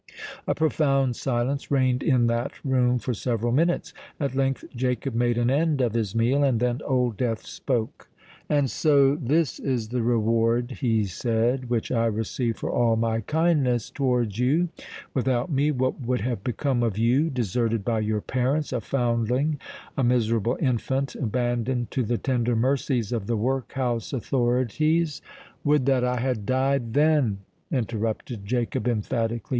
A profound silence reigned in that room for several minutes. At length Jacob made an end of his meal; and then Old Death spoke. "And so this is the reward," he said, "which I receive for all my kindness towards you. Without me, what would have become of you? Deserted by your parents—a foundling—a miserable infant, abandoned to the tender mercies of the workhouse authorities——" "Would that I had died then!" interrupted Jacob emphatically.